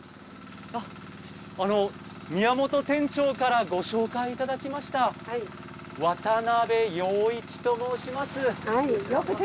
あの宮本店長からご紹介いただきました渡部陽一と申します。